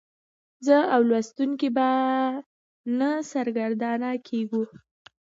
زه او لوستونکی به نه سرګردانه کیږو.